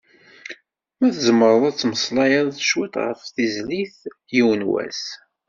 Ma tzemmreḍ ad d-temmeslayeḍ cwiṭ ɣef tezlit "Yiwen wass".